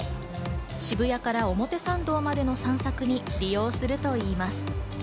渋谷から表参道までの散策に利用するといいます。